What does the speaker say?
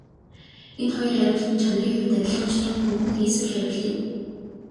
Энэ хоёр хариулт нь чанарын хувьд адилхан ч тун хөнгөн хийсвэр хариулт юм.